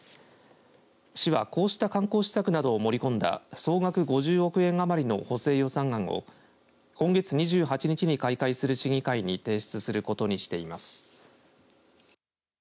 市は、こうした観光施策などを盛り込んだ総額５０億円余りの補正予算案を今月２８日に開会する市議会に提出することにしています。